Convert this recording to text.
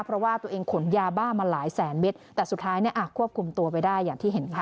เพราะว่าตัวเองขนยาบ้ามาหลายแสนเมตรแต่สุดท้ายเนี่ยควบคุมตัวไปได้อย่างที่เห็นค่ะ